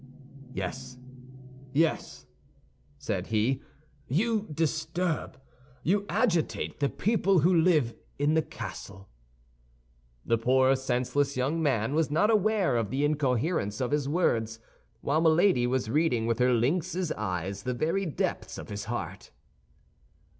"Yes, yes," said he; "you disturb, you agitate the people who live in the castle." The poor, senseless young man was not aware of the incoherence of his words, while Milady was reading with her lynx's eyes the very depths of his heart.